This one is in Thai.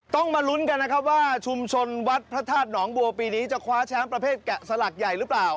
มาลุ้นกันนะครับว่าชุมชนวัดพระธาตุหนองบัวปีนี้จะคว้าแชมป์ประเภทแกะสลักใหญ่หรือเปล่า